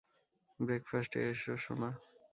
ব্রেকফাস্টে এসো, সোনা।